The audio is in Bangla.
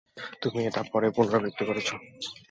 তুমি এটা পরে পুনরাবৃত্তি করেছ।